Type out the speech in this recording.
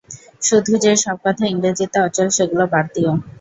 শুধু যে সব কথা ইংরেজীতে অচল, সেগুলি বাদ দিও।